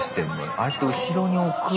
ああやって後ろに送る。